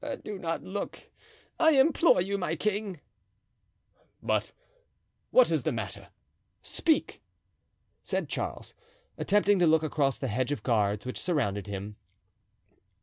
"Do not look, I implore you, my king." "But what is the matter? Speak," said Charles, attempting to look across the hedge of guards which surrounded him.